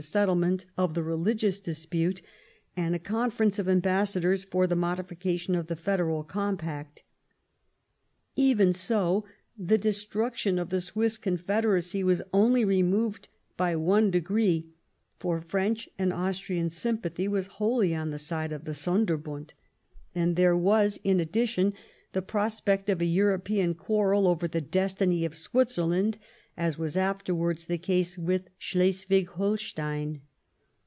settlement of the religious dispute, and a conference of ambassadors for the modification of the Federal compact. Even so, the destruction of the Swiss Confederacy was only removed by one degree, for French and Austrian sympathy was wholly on the side of the Sonderbund ; and there was in YEAB8 OF BEVOLUTION. 116 addition the prospect of a European quarrel over the destiny of Switzerland, as was afterwards the ease with Sohleswig Holstein.